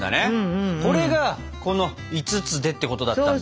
これがこの「５つで」ってことだったんだ。